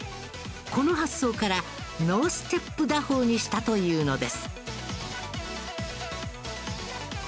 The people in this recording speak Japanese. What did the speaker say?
この発想からノーステップ打法にしたというのです。